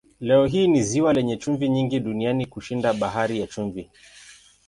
Leo hii ni ziwa lenye chumvi nyingi duniani kushinda Bahari ya Chumvi.